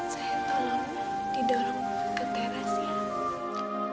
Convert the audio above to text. saya tolong di dalam ke teras ya